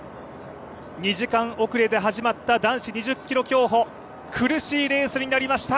２時間遅れで始まった男子２０ｋｍ競歩、苦しいレースになりました。